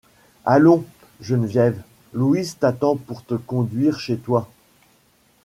Allons, Geneviève, Louise t'attend pour te conduire chez toi.